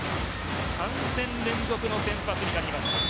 ３戦連続の先発になりました。